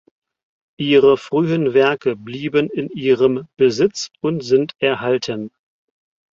Ihre frühen Werke blieben in ihrem Besitz und sind erhalten.